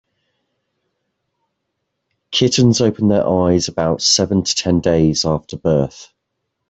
Kittens open their eyes about seven to ten days after birth.